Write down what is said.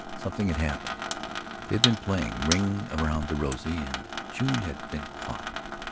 Something had happened. They had been playing "Ring Around the Rosy" and June had been caught.